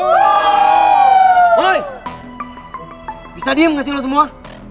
woy bisa diem ga sih lu semua